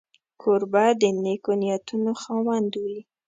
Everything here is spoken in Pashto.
کوربه د نېکو نیتونو خاوند وي.